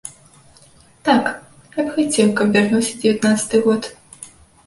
Так, я б хацеў, каб вярнуўся дзевятнаццаты год.